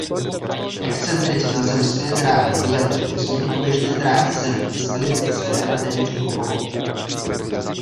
Excentricita zemské dráhy vyjadřuje změny oběžné dráhy Země z eliptické na téměř kruhovou.